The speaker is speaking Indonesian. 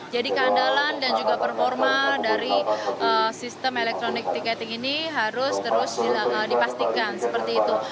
jadi keandalan dan juga performa dari sistem elektronik tiketing ini harus terus dipastikan seperti itu